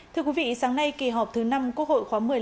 thưa quý vị sáng nay kỳ họp thứ năm quốc hội khóa một mươi năm